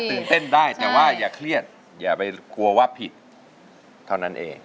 ตื่นเต้นได้แต่ว่าอย่าเครียดอย่าไปกลัวว่าผิดเท่านั้นเอง